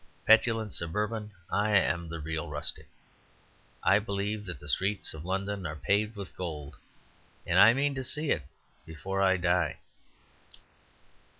Petulant Suburban, I am the real rustic. I believe that the streets of London are paved with gold; and I mean to see it before I die."